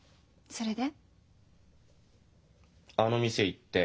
それで？